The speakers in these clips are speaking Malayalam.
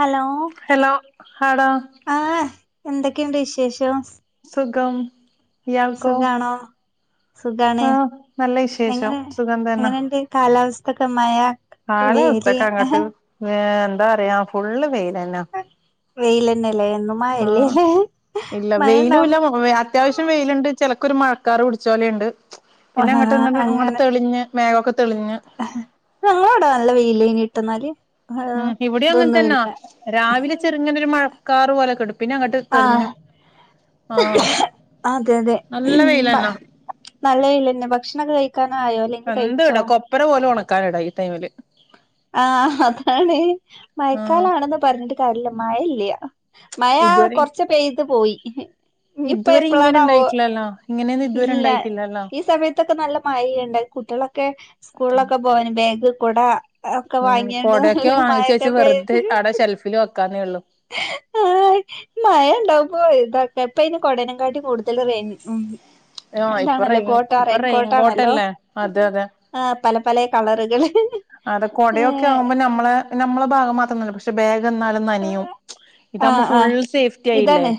ഹലോ ആട ആഹ് എന്തൊക്കെയുണ്ട് വിശേഷം സുഖ കം സുഖാണോ സുഖാണ് ആഹ് നല്ല വിശേഷം എങ്ങനെ സുഖം എങ്ങനെയണ്ട് കാലാവസ്ഥ [unintelligible] മഴ വെയില് കാലാവസ്ഥൊക്കെ അങ്ങോട്ട് എന്താ അറിയാ ഫുള്ള് വെയില് വെയിലന്നെ ല്ലേ എന്നും ആഹ് മഴല്ലേല്ലേ ഇല്ല മഴ ഉണ്ട വെയിലും ഇല്ല അത്യാവശ്യം വെയിലുണ്ട് ചിലക്ക ഒരു മഴക്കാർ പിടിച്ചോലെയുണ്ട് പിന്നെ അങ്ങോട്ട് ഇ് ഇങ്ങട്ട തെളിഞ്ഞ് മേഘക്കെ ഞങ്ങളിവിടാ നല്ല വെയിൽഇട്ടെന്നാല് ഉം ഇവിടെ അങ്ങനെ തന്നാ രാവിലെ ചെറുങ്ങനെ ഒരു മഴ കാർ വലെ കടുക്ക [unintelligible] ആഹ ആഹ് അതെ അതെ നല്ല വെയിലന്നാ നല്ലവെയിൽന്നെ ഭക്ഷണക്കെ എന്ത്വിട കൊപ്പര പോലെ ഒണക് കാട ഈ ടൈമില് ആഹ് ഹാഅതാണ് ആഹ് മഴക്കാലാണെന്ന് പറഞ്ഞിട്ട് കാര്യല്ല മഴ ഇല്ല്യ മഴ ഇതുവരെ കൊർച്ച് പെയ്ത് പോയി ഇഹ് ഇതുവരെ ഇങ്ങനെ ഇണ്ടായിട്ടില്ലല്ലോ ഇങ്ങനെയൊന്നും ഇതുവരെ ഇല്ല ഇണ്ടായിട്ടില്ലല്ലോ ഈ സമയത്തൊക്കെ നല്ല മഴെയ്യ്ണ്ട് കുട്ട്യെളൊക്കെ പിന്നെ സ്കൂൾലൊക്കെ പോവാന് ബേഗ് കുടാ ഉം കൊടയൊക്കെ വാങ്ങിച്ച് വെച്ചെ പെയ്ത് വെർതെ അവ്ടെ ഷെൽഫില് വെക്കാന്നേ ഒള്ളു ആഹ് മയണ്ടാവ്മ്പോ പെയ്തോട്ടെ ഇപ്പയ്ന് കൊടനെം കാട്ടി കൂട്തൽ റെയ്ൻ ഉം ഏഹ് ഓഹ് ഇപ്പൊ എന്താണല്ലോ റെയ്ൻ കോട്ടാ ഇപ്പൊ റെയിൻ കോട്ടാണല്ലോ റെയ്ൻകോട്ടല്ലേ അതെ അതെ പലേ കളറ്കള് അത കൊടയൊക്കെ ആവുമ്പ നമ്മളെ നമ്മളെ ഭാഗം മാ ത്രം ന [unintelligible] പക്ഷെ ബേ ഗെന്നാലും നനിയും ഇതവുമ്പം ആഹ് ഫുൾ ആഹ് സേഫ്റ്റി ആയില്ലേ ഇതാണ്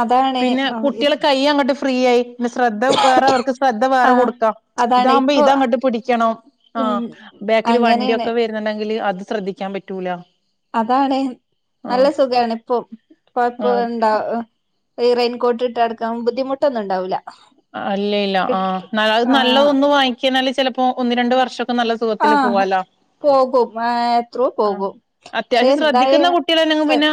അതാണ് പിന്നെ ആഹ് ഇ കുട്ട്യേൾ കയ്യങ്ങട്ട് ഫ്രീയായി ന്നെ ശ്രദ്ധ വേറെ അവർക്ക് ശ്രദ്ധ വേറെ ആഹ് കൊട്ക്കാം അതാണ് ഇതാവുമ്പം ഇപ്പൊ ഇതങ്ങട്ട് പിടിക്കണം ഉം ആഹ് ബേ തി‌ല് അങ്ങനെയാണ് വണ്ട്യൊക്കെ വര്ന്ന്ണ്ട് ങ്ങില് അത് ശ്രദ്ധിക്കാം പറ്റൂലാ അതാണ് നല്ല സുഖാണ് പ്പൊ കൊഴപ്പാെ ആഹ് ണ്ടാ റെയിൻകോട്ട് ഇട്ട് നടക്കാം ബുദ്ധിമുട്ടൊന്ന്ണ്ടാവൂലാ ആഹ് ല്ലേല്ല ആഹ് ന അത് ആഹ് നല്ലതൊന്ന് വാങ്ങിക്ക്ണല്ലെ ചെലപ്പോ ഒന്ന് രണ്ട് വർഷാെ ആഹ് പോകും ആഹ് എത്രോ ആഹ് പോകും പക്ഷെ അത്യാവശ്യം എന്തായാ ശ്രദ്ധിക്കുന്ന കുട്ടികളാണെങ്കി ശ്ര പിന്നെ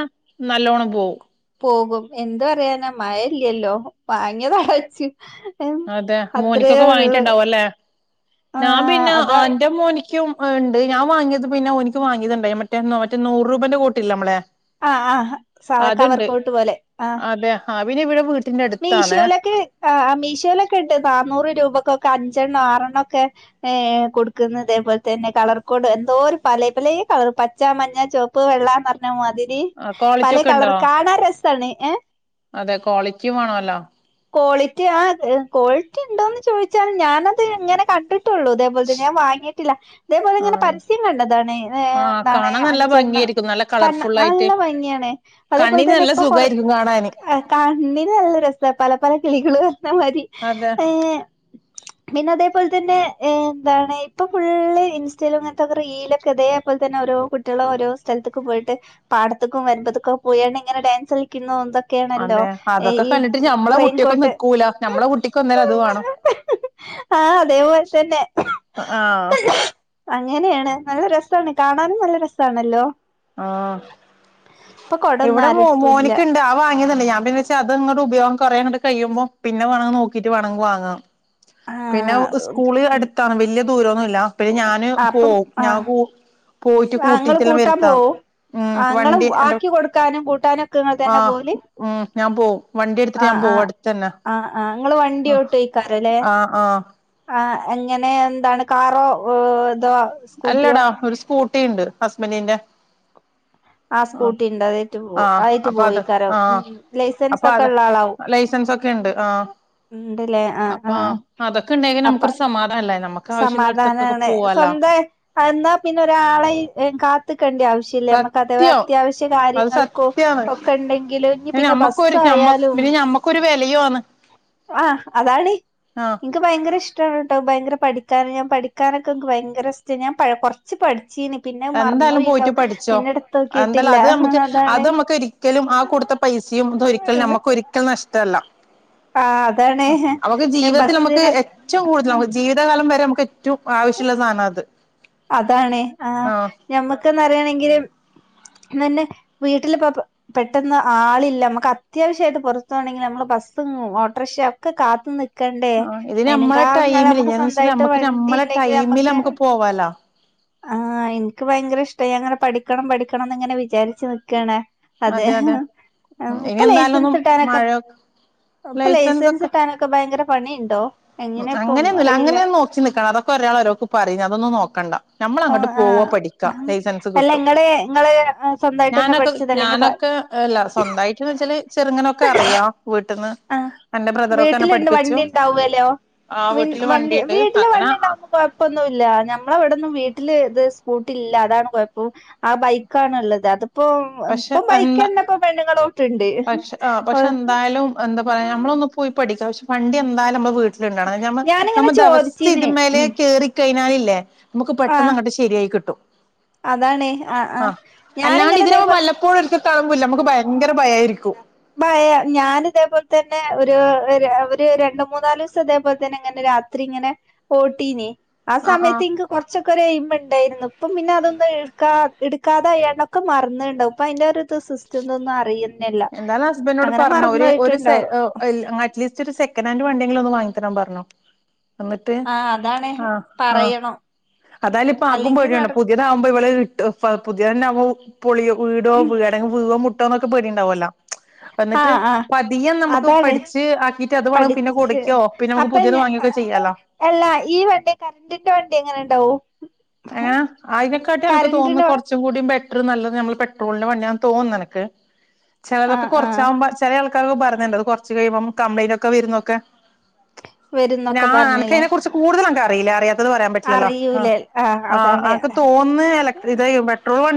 നല്ലോണം പോവും പോകും എന്ത് പറയാന മഴയില്ലല്ലോ വാങ്ങിയതടച്ചു അതെ അത്രയേ മോനിക്കൊക്കെ ഉള്ളു വാങ്ങിട്ടുണ്ടാവും അല്ലേ ഞാ ആഹ് പിന്നെ അതാ അന്റെ മോനിക്കും ഇണ്ട് ഞാവാങ്ങിയത് പിന്നെ ഒനിക്ക് വാങ്ങിയതുണ്ടായി മറ്റേ മറ്റേ നൂറ് രൂപേന്റെ കോട്ടില്ലേ നമ്മളെ ആഹ് ആഹ് സ കവർ അതുണ്ട് കോട്ട് പോലെ ആഹ് അതെ ആഹ് പിന്നെ ഇവന മീഷോയിലൊക്കെ ആഹ് മീഷോയിലൊക്കെ ക്കെട്ട് നാന്നൂറ് രൂപക്കൊക്കെ അഞ്ചെണ്ണം ആറെണ്ണം ഒക്കെ ഏഹ് കൊടുക്കുന്നത് ഇതേപോലെ തന്നെ കളർ കോഡ് എന്തോ ഒരു പലേ പലേ കളർ പച്ച മഞ്ഞ ചുവപ്പ് വെള്ളാന്ന് പറഞ്ഞാ മതി ആഹ് ക്വാളിറ്റി പല ഒക്കെ കളർ ഉണ്ടോ കാണാൻ രസാണ് അതെ ക്വാളിറ്റി വേണല്ലോ കോളിറ്റി ആഹ് കോളിറ്റിക്കെ ണ്ടോന്ന് ചോദിച്ചാൽ ഞാനത് അങ്ങനെ കണ്ടിട്ടു ണ്ടിട്ടുള്ളു ഇതേപോലെ തന്നെ ഞാൻ വാങ്ങിയിട്ടില്ല ഇതേപോലെ ഇങ്ങനെ ആഹ് പരസ്യം കണ്ടതാണ് ആഹ് എന്താണ് കാണാൻ നല്ല അഞ്ചെണ്ണം ഭംഗിയായിരിക്കും നല്ല കാണ് കളർഫുൾ ആയിട്ട് നല്ല ഭംഗിയാണ് അതേപോലെ കണ്ണിന് തന്നെ നല്ല ഇപ്പൊ കൊറ സുഖായിരിക്കും കാണാന് ണ്ണിന് നല്ല രസ പല പല കിളികളള് വന്നമാതിരി അതെ പിന്നെ തെ അതുപോലെ തന്നെ എന്താണ് ഇപ്പൊ ഫുള്ള് ഇൻസ്റ്റേലും അങ്ങൻത്തൊക്കെ റീലൊക്കെ ഇതേ പോലെ തന്നെ ഓരോ കുട്ടികള് ഓരോ സ്ഥലത്തുക്കും പോയിട്ട് പാടത്ത്ക്കും വരമ്പത്ക്കൊക്കെ പോയാണ്ട് ഇങ്ങനെ ഡാൻസ് കളിക്കുന്നു എന്തൊ ക്കെയാണല്ലോ അതെ അതൊക്കെ ഈ കണ്ടിട്ട് ഞമ്മളെ കുട്ടിയൊക്കെ റെയിൻകോട്ട് നിക്കൂല ഞമ്മളെ കുട്ടിക്ക് ഒന്നേരം അത് വേണം ആഹ് അതേപോലെ തന്നെ ആഹ് അങ്ങനെയാണ് നല്ല രസാണ് കാണാനും നല്ല രസാണല്ലോ ആഹ് ഇപ്പൊ കൊടൊന്നും ഇവിടെ മോ ആരെടുത്തും ഇല്ല മോനിക്കിണ്ട് ആവാ വാങ്ങിയതാണ് ഞാൻ പിന്നെ ച അങ്ങട്ട് ഉപയോഗം കുറെ കഴിയുമ്പോൾ പിന്നെ വാങ്ങാൻ നോക്കിട്ട് വാണങ്കിൽ വാങ്ങാം പിന്നെ അവക്ക് ആഹ് സ്ക്കൂളിൽ അടുത്താണ് വലിയ ദൂരോന്നുല്ല അപ്പയേ ഞാന് അപ്പം പോവും ഞാ ആഹ് പോ പോയിട്ട് ആഹ് ഇങ്ങള് കൂട്ടിട്ടെല്ലാം കൂട്ടാൻ വരുത്താം പോവും ഉം ആഹ് ഇങ്ങള് വണ്ടി എന്റെ ആക്കി കൊടുക്കാനും കൂട്ടാനും ഒക്കെ ഇങ്ങൾ തന്നെ ആഹ് പോവല്. ഉം ഞാൻ പോവും വണ്ടി എടുത്തിട്ട് ആഹ് ഞാൻ പോവും ആഹ് അടുത്തന്നെ ആഹ് ആഹ് ഇങ്ങള് വണ്ടിയോട്ടോക്കാരലേ? ആഹ് ആഹ് ആഹ് എങ്ങനെ എന്താണ് കാറോ ഏഹ് ഇതോ? സ്കൂട്ടിയോ അല്ലടാ ഒരു സ്കൂ ട്ടി ണ്ട് ഹസ്ബൻ്റിന്റെ. ആഹ് സ്കൂട്ടി ഉണ്ട് അതേറ്റ് പോവും. ആഹ് അതായിട്ട് അപ്പൊ അത് പോവേക്കാരം മ് ആഹ് മ് ലൈസൻസ് അപ്പൊ ഒക്കെ അത ഉള്ള ആളാവും ലൈസൻസ് ഒക്കെ ഉണ്ട് ആഹ് ഉണ്ട് ലേ. ആഹ് അപ്പൊ ആഹ് അതൊക്കെ ഉണ്ടെങ്കിൽ അപ്പ നമുക്കൊരു സമാധാനല്ലേ നമുക്ക് ആവശ്യമുള്ളടത്തൊക്കൊക്കെ സമാധാനാണ് പോവാലോ സ്വന്താ അഎന്നാ പിന്നെ ഒരാളെയും ഏഹ് കാത്ത് ക്കണ്ട്യ ആവശ്യല്ല. ഞമ്മക്ക് അഥവാ സത്യം അത്യാവശ്യ അത് കാര്യങ്ങൾക്കും സത്യാണ് ഒക്കെ ണ്ടെങ്കില് ഇഞ്ഞി പിന്നെ ഞമ്മക്കൊരു ഞമ്മ ബസ്സായാലും പിന്നെ ഞമ്മക്കൊരു വിലയും ആണ് ആഹ് അതാണ് ആഹ് ഇൻക്ക് ഭയങ്കര ഇഷ്ടാണ് ട്ടോ ഭയങ്കര പഠിക്കാനും ഞാൻ പഠിക്കാനൊക്കെ ഇൻക് ഭയങ്കര ഇസ്റ്റ. ഞാൻ പ കൊർച്ച് പഠി എന്തായാലും പോയിട്ട് പഠിച്ചോ. എടുത്ത് എന്താലും നോക്കിട്ടില്ല അത് നമുക്ക് അതാണ് അത് നമ്മക്ക് ഒരിക്കലും ആ കൊടുത്ത പൈസിയും അതൊരിക്കലും ആഹ് ഞമ്മക്ക് ഒരിക്കലും നഷ്ടല്ല. അതാണ് നമ്മുക്ക് ഞാൻ ജീവിതത്തിൽ നമ്മുക്ക് ബസ്സിനൊക്കെ ഏറ്റവും കൂടുതൽ ജീവിതകാലം വരെ നമ്മുക്ക് റ്റും ആവശ്യല്ല സാനാ ദ്. അതാണെ. ആഹ് ഞമ്മക്ക്ന്ന് പറയാണെങ്കില് ഇ തന്നെ വീട്ടിലിപ്പ പെട്ടെന്ന് ആളില്ല നമ്മുക്ക് അത്യാവശ്യായിട്ട് പുറത്തു പോണെങ്കിൽ നമ്മള് ബസ്സും ഓട്ടോറിക്ഷ ഒക്കെ കാത്തു നി ആ ഇതിന് നമ്മളെ ടൈമില് ഞാൻ വെച്ച സ്വന്തമായിട്ട് നമ്മക്ക് വണ്ടി നമ്മളെ ടൈമില് നമ്മുക്ക് പോവാാലോ ആഹ എനിക്ക് ഭയങ്കര ഇഷ്ട അങ്ങനെ പഠിക്കണം പഠിക്കണംന്ന് ഇങ്ങനെ വിചാരിച്ചു നക്കണെ അതെ അതെ ഉ ഇനി എന്തായാലും ലൈസൻസ് ഒന്നും കിട്ടാനൊക്കെ മഴയൊ ഇപ്പൊ ലൈസൻസ് ഒക്കെ കിട്ടാനൊക്കെ ഭയങ്കര പണിയുണ്ടോ എങ്ങനെ ഇപ്പൊ ഒന്നും അങ്ങനെയൊന്നും അറിയില്ല അങ്ങനെയൊും നോക്കി നിക്കണം അതൊക്കെ ഒരാൾ ഒരോക്ക് പറഞ്ഞ് അതൊന്നും നോക്കണ്ട നമ്മള ഓ അങ്ങോട്ട് പോവ ആഹ് പഠിക്കാ ആഹ് ലൈസൻസ് അല്ല കിട്ടും ഇങ്ങള് ഇങ്ങള് സ്വന്തായിട്ട് തന്നെ ഞാനൊക്കെ പഠിച്ചത് അല്ലെങ്കിൽ പ ഞാനൊക്കെല്ല സ്വന്തമായിട്ടന്ന് വെച്ചാല് ചെറുങ്ങനൊക്കെ അറിയാം വീട്ട ആ വീട്ടിലുണ്ട് വണ്ടി ഉണ്ടാവല്ലോ ആ വീട്ടില് വണ്ടി വണ്ടിണ്ട് വീട്ടില് അങ്ങനെ വണ്ടി ഉണ്ടാവുമ്പോ കൊഴപ്പൊന്നുമല്ല ഞമ്മളെവിടെന്നും വീട്ടില് ഇത് സ്കൂട്ടില്ല അതാണ് കുഴപ്പം ആ ബൈക്ക ആാണ്ുള്ളള്ളത് അത് ഇപ്പൊ പക്ഷെ ഇപ്പം ബൈക്ക് എന്താ തന്നെ ഇപ്പൊ പെണ്ണുങ്ങളോ പക്ഷെ പക്ഷെ എന്തായാലും എന്താ യാ നമ്മളൊന്ന് പോയി പഠിക്കാം പക്ഷെ വണ്ടി എന്തായും നമ്മ വീട്ട മ്മ നമ്മ ഞാനിങ്ങനെ ദിവസ ചോദിച്ചീന് ഇത്മേലെ ഉം കേറ കഴിഞ്ഞാൽ ല്ല നമുക്ക് പെട്ടെന്ന് അങ്ങട്ട് ശരിയായി കിട്ടും അതണേ ആ ആ ഞാനിങ്ങനെ അതേല [unintelligible] കളില്ല നക്ക് [inaudible] ഞാന ഇതേപോലെ തന്നെ ഒരു ഒരു രണ്ട മൂന്നാല് ദിവസം അതേപോലെ തന്നെ ഇങ്ങനെ രാത്രി ഇങ്ങനെ ഓട്ടീന ആ ആഹ് സമയത്ത് ആഹ് ഇനിക്ക് കൊറച്ചൊക്കെഎയിം ഉണ്ടായിരുന്നു ഇപ്പം പിന്നെ അതൊന്നുംാ എടുക്കാതെയൊക്കെ മറന്നുണ്ടാവും അപ്പൊ അതി്റെ ഒരു ഇത് സിസ്റ്റം ഇതൊന്നും അറിയുന്നില്ല എന്താലും ഹസ്ബൻഡോട് അങ്ങനെ പറഞ്ഞ മറന്നു പോയിട്ടുണ്ടാവും അറ്റ്ലീസ്റ്റ് ഒരു സെക്നെന്റ് വണ്ടി വാങ്ങി തരാൻ പറഞ്ഞോ [unintelligible] എന്നിട്ട് ആഹ് അതാണ് ആ ആഹ പറയണം അതായാല ഇപ്പ അല്ലെങ്കി ആകുമ്പോഴിയണ്ട നട പുതിയത ആകുമ്പോ ഇവള പുതിയ തന്നെ [unintelligible] ആ പുൊളിയോ വീടോ ഉം വ പഴോ മുട്ടോന്നൊക്കെ പടിണ്ടാവല്ലോ ആഹ ആഹ അതാണ് പഠിച്ച് ആക്കിട്ട് അത് വേണം പിന്നെ പഠച്ച് കൊടുക്കോ പിന്നെ നമുക്ക് അപ്പൊ പുതിയത് വാങ്ങിയൊക്കെ ചെയ്യാലോ എല്ലാ ഈ വണ്ടി കററിന്റെ വണ്ടി എങ്ങനെ ഉണ്ടാവോ ഏ് ആയിതിനെക്കാട്ടി എനക്ക് തോന്നുന്നു കൊറച്ചും കൂടും നല്ലത് നമ്മൾ പെട്രോളിന്റെ വണ്ടിയാണ് തോന്നുന്നത്നക്ക് ചിലതൊക്കെ ആഹ് ആഹ് കുറച്ചാകുമ്പ ചില അൾ ക്കെ അങ്ങ് പറഞ്ഞണ്ട് കൊറച്ച് കഴുമ്പം കംപ്ലൈന്റ് ഒക്കെ വരുന്നൊക്കെ ഞാ വരുന്നൊക്കെ എനക്ക് പറഞ്ഞില്ലേ അതിനെ കുറിച്ച് കൂടുതല വെയിലാറിയാ [inaudible] പറയാൻ പറ്റില്ലല്ലോ ആ അറിയൂലേ ആഹ് ആ അതാണ് അന്ക്ക് തോന്ന് [inaudible] ഇത് പെട്രോൾ വ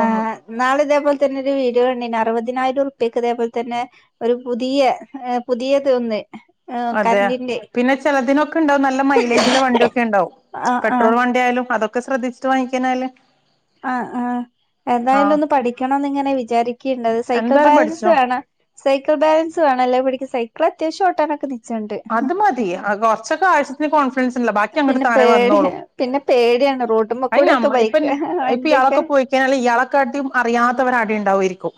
ആഹ് ആ ഇന്നാൾ ഇതേ പോലത്തെ തന്നെ ഒരു വീഡിയോ കണ്ടെനു അറുപതി- അതിനായിട്ട ഉറപ്പക്ക് അതേപോലെ തന്നെ ഒരു പുതിയ പുതിയത ഒന്ന് അതെ കറന്റിന്റെ പിന്നെ ചെലതിനൊക്കെ ഉണ്ടാവും നല്ല മൈലേജുള്ള വണ്ടിയൊക്കെ ഉണ്ടാവും ആഹ് ആഹ് പെട്രോൾ വണ്ടി ആയാലും അതൊക്കെ ഒക്കെ ശ്രദ്ധിച്ചിട്ട വാങ്ങിക്കാനല്ലേ ആ ആ എന്തായാലും ഒന്ന് പഠിക്കണമെന്ന് ഇങ്ങനെ വിചാരികിനിണ്ട് സൈക്കിൾ എന്തായാലും ബാലൻസ് പഠിച്ചോ വേണ സൈക്കിൾ ബാലൻസ് വേണം എല്ലേ പഠിക്കാൻ- അവൾ അത്യാഷോട്ടൻ ഒക്കെ നിക്കും. അത് മതി കൊറച്ചൊക്കെ ആവശത്തിന് കോൺഫിഡൻസ് ഇല്ല ബാക്കി അങ്ങോട്ട് പിന്നെ താനെ പേടി വന്നോളും പിന്നെ പേടിയാണ് റോട്ടുമ്മ അയിന് കൂടെക്കെ നമ്മ ബൈക്ക് ഇപ്പ- ഇപ്പൊ ഇയാളൊക്ക വണ്ടിയൊക്കെ പോയിക്കഴിഞ്ഞാൽ ഇയാളെ കാട്ടിം അറിയാത്തവര് ആടെ ഇണ്ടാവില്ലേ? രിക്കും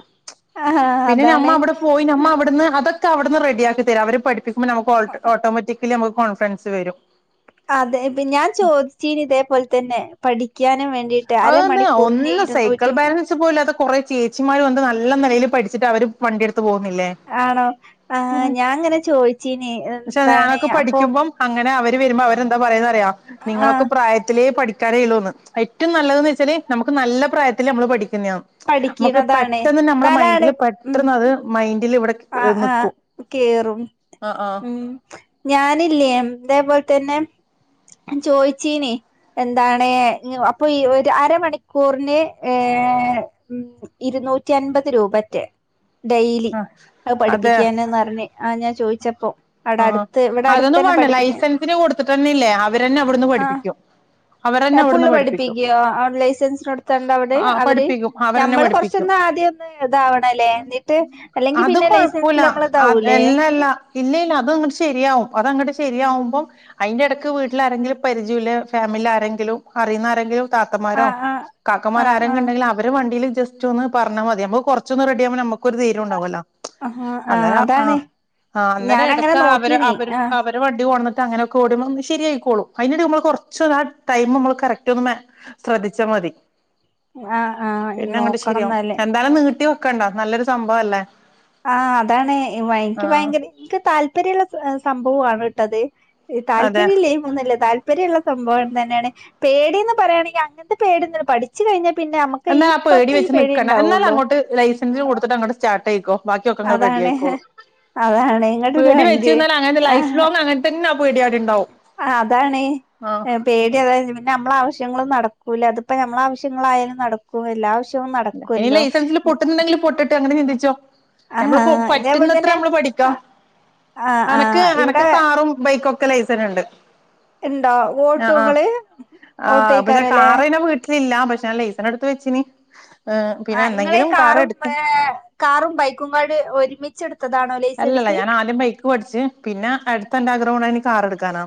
ആഹ് പിന്നെ നമ്മ അതാണ് അവിടെ പോയി നമ്മ അവിടുന്ന് അതൊക്കെ ഒക്കെ അവിടന്ന് റെഡിയാക്കി തരും അവര് പഠിപ്പി- നമ്മുക് ഓട്ടോമാറ്റിക്കലി നമ്മുക് കോൺഫിഡൻസ് വരും അതെ ഞാൻ ചോദിച്ചീനി ഇതേപോലെ തന്നെ. പഠി അതന്ന ഒന്ന് സൈക്കിൾ ഇരുന്നൂറ്റി ബാലൻസ് പോല അത് കൊറ ചേച്ചിമാര് വന്ന് നല്ല നിലയിൽ പഠിച്ചിട്ട് അവര് വണ്ടി എടുത്ത്. ആണോ ആ ഞാൻ അങ്ങനെ ചോദിച്ചീനി എന്താണ് അപ്പം വരുമ്പ അവരെന്താ പറയുന്ന ആഹ് നിങ്ങളൊക്കെ പ്രായത്തിലേ പഠിക്ക കരയിലൂന്ന് ഹൈ ഏറ്റവും നല്ലതെന്ന് വെച്ചാൽ നമുക്ക് നല്ല പ്രായത്തിൽ നമ്മൾ പഠി [unintelligible] മ്മക്ക് പഠിക്കണതാണ് പെട്ടെന്ന് എന്നാലാണ് മൈൻഡില് ഉം പെട്ടെന്ന് അത് മൈൻഡില് ഇവിടെ ആഹ് ആഹ് നിക്കും കേറും ആഹ് ആഹ് ഉം ഞാനില്ലേ ഇതേപോലെ തന്നെ ചോയിച്ചീനി എന്താണ് അപ്പൊ ഈ ഒരു അരമണിക്കൂറിന് ഏർ ഉം ഇരുന്നൂറ്റി അൻപത് രൂപറ്റെ. ഡെയലി ആഹ് അതെ പഠിപ്പിക്കാന് ന്നറഞ്ഞ് ആ ഞാൻ ചോദിച്ചപ്പോ ആഹ് അടുത്ത് ഇവിടെ അടുത്ത അതൊന്നും തന്നെ വേണ്ട പഠിപ്പിക്ക ലൈസൻസിന് കൊടുത്തിട്ടന്നെല്ലേ അവരന്നെ അവിടുന്ന് ആ പഠിപ്പിക്കും അവരന്നെ അവിടുന്ന് ഫുള്ള് പഠിപ്പിക്കും പഠിപ്പിക്കോ ലൈസൻസിന് കൊടുത്തണ്ട് അവിടെ ആഹ് അവര് പഠിപ്പിക്കും അവരന്നെ ഞമ്മള് പഠിപ്പിക്കും കൊറച്ചൊന്ന് ആദ്യം ഒന്ന് ഇതാവണല്ലേ എന്നിട്ട് അല്ലെങ്കി കുഴപ്പില്ല ലൈസൻസിൽ നമ്മള് അ ഇതാവൂലേ എല്ലല്ല ഇല്ലല്ല അത്ങ്ങട്ട് ശരിയാവും അതങ്ങട്ട് ശരിയാവുമ്പോ അതിന്റെ ഇടയ്ക്ക് വീട്ടിൽ ആരെങ്കിലും പരിചയമുള്ള ഫാമിലി ആരെങ്കിലും അറിയുന്ന ആരെങ്കിലും താത്തമാരോ ആഹ് ആഹ് കാക്കമാര ആഹ് ആരെങ്കിലും ഉണ്ടെങ്കിൽ അവര് വണ്ടിയില് ജസ്റ്റ് ഒന്ന് പറഞ്ഞാ മതി നമ്മക്ക് കൊറച്ചു ഒന്നു റെഡിയ ആവുമ്പോ നമ്മക്കും ഒരു ധൈര്യം ഉണ്ടാവുമല്ലോ ആ ആ അതാണ് ആ ഞാനങ്ങനെ [unintelligible] അവര് നോക്കീനി അവര് ആഹ് അവര വണ്ടി പോണ അങ്ങനെയൊക്കെ ഓടുമ്പോ ശരിയായിക്കോളും അതിന് നമ്മൾ കുറച്ചു ഒരു ആ ടൈം നമ്മൾ കറക്റ്റ് ഒന്ന് മ ശ്രദ്ധിച്ചാൽ മതി ആഹ് ആഹ് പിന്നെ അങ്ങോട്ട് ശരിയാവും നോക്കണംന്നാല് എന്തായാലും നീട്ടി വെ ക്കണ്ടോ നല്ലൊരു സംഭവം അല്ലേ ആഹ് അതാണ് വ എനിക്ക് ഭയങ്കര എനിക്ക് താല് പര്യള്ള സംഭവമാണ് ഇട്ടത് അതെ താല്പര്യമല്ലേ [unintelligible] താല് ല്പര്യുള്ള സംഭവം തന്നെയാണ് പേടീന്ന് പറയാണെങ്കിൽ അങ്ങനത്തെ പേടിന്നുല്ല പഠിച്ചു കഴിഞ്ഞാ പിന്നെ നമുക്ക് ഈ എന്നാ ആ പേടി ഇപ്പത്തെ ഈ വെച്ച് നിക്കണം എന്നാലു ഉണ്ടാവുള്ളൂ അങ്ങോട്ട് ലൈസൻസ് കൊടുത്തിട്ട് അങ്ങട് സ്റ്റാ ട്ടെയിക്കും ബാക്കിക്കെ അങ്ങ് റെഡി അതാണ് ആയിക്കോളും അതാണ് ഇങ്ങട്ടൊരു പേടി വെച്ച്രുന്നാൽ അങ്ങനതന്നെ ലൈഫ് ലോങ് അങ്ങനെ തന്നെ പേടി അവിടെ ഉണ്ടാവും ആ അതാണ് ആ പേടി അതായിരുന്നു പിന്നെ നമ്മള ആവശ്യങ്ങളൊന്നും നട കൂല അതിപ്പ നമ്മള ആവശ്യങ്ങളായാലും നടക്കും എല്ലാ ആവശ്യ ഇനി ലൈസൻസിൽ പൊട്ടുന്നുണ്ടെങ്കിലു പൊട്ടട്ടേ അങ്ങനെ ചിന്തിച്ചോ നമ്മള് ആഹ് കൊ ഇതേപോലെ പറ്റുന്നത്ര തന്നെ നമ്മള് പഠിക്കാം ആഹ് അനക്ക് ആഹ് അനക്ക് ഇവിടെ കാറും ബൈക്കൊ ക്കെ ലൈസൻസ് ഉണ്ട് ഇണ്ടോ ആ ഓട്ടോ ഹ ഇങ്ങള് ആ പക്ഷെ ഓട്ടോയ്ക്കാരല്ലേ കാർ അതിനു വീട്ടിലില്ല പക്ഷെ ഞാൻ ലൈസൻസ് എടുത്ത് വെച്ചിന് ആ ഇങ്ങളെ കാറും ഏ കാറും ബൈക്കുംങ്ങട് ഒരുമി അല്ലല്ല ഞാൻ ആദ്യം ബൈക്ക് പഠിച്ച് പിന്നെ അടുത്ത എന്റെ ആഗ്രഹം കൊണ്ടേനി കാർ എടുക്കാനാ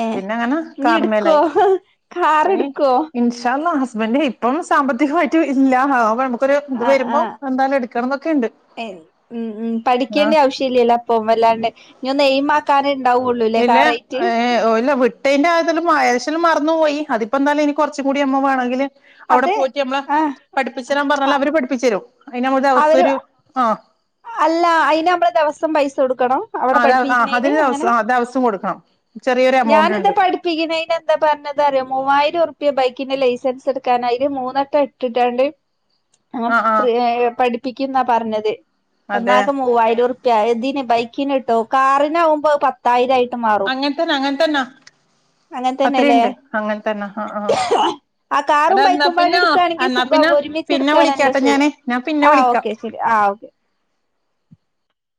ഏഹ് പിന്നെങ്ങനെ ഇഞ്ഞ് കാറും ഇട്ക്കോ മേലായി കാർ ഇനി ഇട്ക്കോ ഇന്ഷാ അള്ളാ ഹസ് ഹസ്ബൻഡ് ഇപ്പം സാമ്പത്തികമായിട്ടും ഇല്ല ആവണം [unintelligible] ഇത് ആഹ് വരുമ്പോ ആഹ് എന്തായാലും എടുക്കണം എന്നൊക്കെുണ്ട് ഏഹ് ഉം പഠിക്കേണ്ട ആവശ്യ ഇല്ലല്ലോ അപ്പം വല്ലാണ്ട് നീ ഒന്നു എയിമ കരെൻ ഇല്ല ഏ ഓ ഇല്ല വിട്ടേന്റെ അതില് [unintelligible] മറന്നു പോയി അതിപ്പോ എന്താലും ഇനി കുറച്ചു കൂടി [unintelligible] വേണെങ്കില് അവിടെ അത് പോയിട്ട് നമ്മളെ ആഹ് പഠിപ്പിച്ച തരാൻ പറഞ്ഞാല് അവര് പഠിപ്പിച്ച് തരും അയിന് നമുക്ക്‌ അവസ്ഥ അവര് ഒരു ആ അല്ല അയിന് നമ്മടെ ദിവസം പൈസ കൊടുക്കണോ അവിടെ ആഹ് ആ പഠിപ്പിക്കണെയ്ന് അതിന് അങ്ങനെ ദിവസം ആ ദിവസം കൊടുക്കണം ചെറിയൊരു എമൗണ്ട് ഞാനെന്താ ഉണ്ട് പഠിപ്പിക്കണെന് എന്താ പറഞ്ഞത് അറിയോ മൂവായിരം എട്ടു റുപ്പിയാ ബൈക്കിന്റെ ലൈസൻസ് എടുക്കാനായി മൂന്ന് വട്ടം എട്ടിട്ടാണ്ട് അ ആഹ് ആഹ് ഫ്രീയായി പഠി പ്പിക്കുന്നാ പറഞ്ഞത് അതെ ഒന്നാക്കെ മൂവായിരം ഉർ ഇതിന് ബൈക്കി നിട്ടോ കാറിന്കുമ്പോ അത് പത്തായിരം ആയി മാറും അങ്ങൻത്തന്നെ അങ്ങൻത്തന്നാ അങ്ങനെ തന്നെല്ലേ അത്രയുണ്ട് അങ്ങൻത്തന്നെ ആഹ് ആഹ് ആ കാറും എടാ എന്നാ ബൈക്കുംപാടി പിന്നാ എടുക്കയാണെങ്കിൽ എന്നാ സുഖം പിന്നെ ഒരുമിച്ച് പിന്നെ എടുക്കയാണല്ലോ വിളിക്കാട്ടെ സുഖ ഞാന് ഞാൻ പിന്നെ ആ ഓ വിളിക്കാം ക്കേ ശരി ആ ഓക്കേ